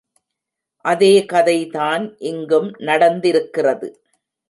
அதே கதை தான் இங்கும் நடந்திருக்கிறது.